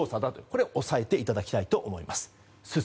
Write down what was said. これ、押さえていただきたいと思います。